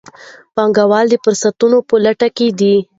پانګوال د فرصتونو په لټه کې دي.